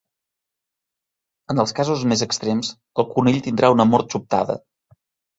En els casos més extrems, el conill tindrà una mort sobtada.